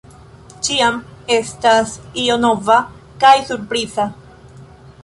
Ĉiam estas io nova kaj surpriza.